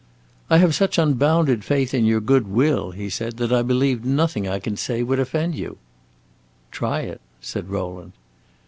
"I have such unbounded faith in your good will," he said, "that I believe nothing I can say would offend you." "Try it," said Rowland.